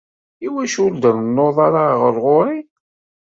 Iwacu ur d-trennuḍ ara ɣer ɣur-i?